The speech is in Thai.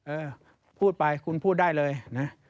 เออพูดไปคุณพูดได้เลยนะ